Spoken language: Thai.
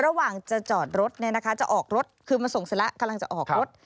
ระหว่างจะจอดรถจะออกรถคือมาส่งเสร็จแล้วกำลังจะออกรถ